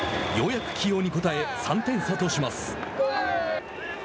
ようやく起用に応え３点差とします。